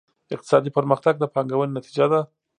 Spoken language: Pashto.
اقتصادي پرمختګ د پانګونې نتیجه ده.